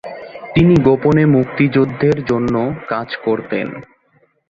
তিনি গোপনে মুক্তিযুদ্ধের জন্য কাজ করতেন।